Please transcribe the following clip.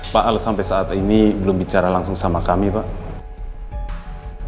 pak al sampai saat ini belum bicara langsung sama kami pak